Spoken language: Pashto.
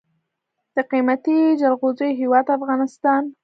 د قیمتي جلغوزیو هیواد افغانستان.